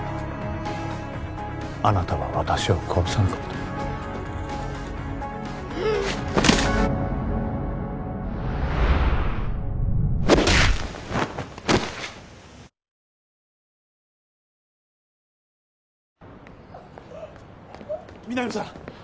あなたは私を殺さなかった皆実さん！